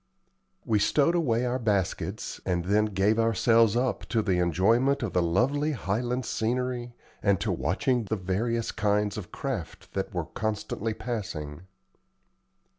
We stowed away our baskets and then gave ourselves up to the enjoyment of the lovely Highland scenery, and to watching the various kinds of craft that we were constantly passing.